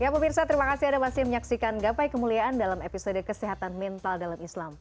ya pemirsa terima kasih anda masih menyaksikan gapai kemuliaan dalam episode kesehatan mental dalam islam